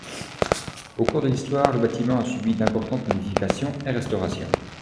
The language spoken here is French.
Au cours de l’histoire, le bâtiment a subi d’importantes modifications et restaurations.